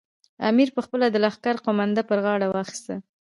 امیر پخپله د لښکر قومانده پر غاړه واخیستله.